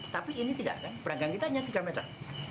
tapi ini tidak beranggang kita hanya tiga meter